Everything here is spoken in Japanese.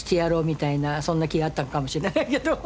みたいなそんな気あったんかもしんないけど。